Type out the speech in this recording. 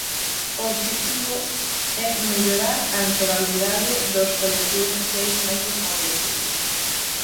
O obxectivo é mellorar a empregabilidade dos colectivos sociais máis desfavorecidos.